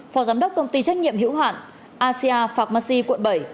phó giám đốc công ty trách nhiệm hữu hạn asia pharmacy quận bảy